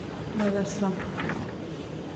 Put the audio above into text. La dasam.